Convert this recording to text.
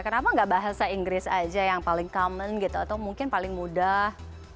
kenapa nggak bahasa inggris aja yang paling common gitu atau mungkin paling mudah